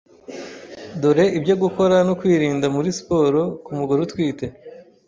Dore ibyo gukora no kwirinda muri siporo ku mugore utwite